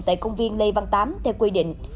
tại công viên lê văn tám theo quy định